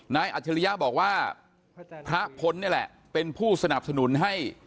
อัจฉริยะบอกว่าพระพลนี่แหละเป็นผู้สนับสนุนให้